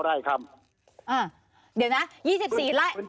เดี๋ยวนะ๒๔ไร่